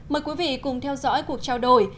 mời quý vị cùng theo dõi cuộc trao đổi